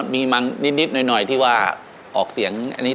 มีมั้งนิดหน่อยที่ว่าออกเสียงอันนี้